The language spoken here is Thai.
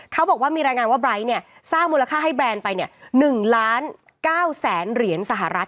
เขาบอกว่ามีรายงานว่าไบร์ทสร้างมูลค่าให้แบรนด์ไป๑ล้าน๙แสนเหรียญสหรัฐ